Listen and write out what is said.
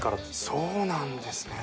そうなんですね。